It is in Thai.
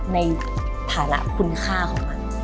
ในฐานะคุณค่าของมัน